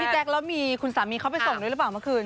แจ๊คแล้วมีคุณสามีเขาไปส่งด้วยหรือเปล่าเมื่อคืน